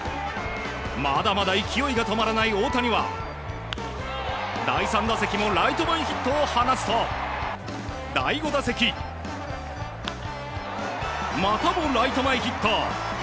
まだまだ勢いが止まらない大谷は第３打席もライト前ヒットを放つと第５打席、またもライト前ヒット。